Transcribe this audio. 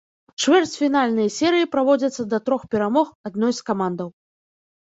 Чвэрцьфінальныя серыі праводзяцца да трох перамог адной з камандаў.